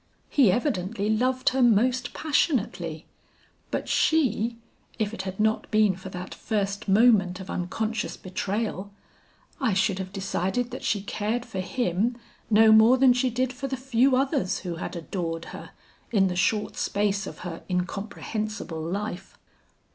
He evidently loved her most passionately, but she if it had not been for that first moment of unconscious betrayal, I should have decided that she cared for him no more than she did for the few others who had adored her, in the short space of her incomprehensible life.